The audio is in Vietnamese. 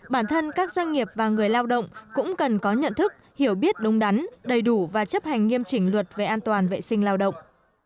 bản thân các doanh nghiệp và người lao động cũng cần có nhận thức hiểu biết đúng đắn đầy đủ và chấp hành nghiêm chỉnh luật về an toàn vệ sinh lao động